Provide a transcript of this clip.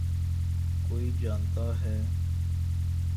کوئی جانتا ہے۔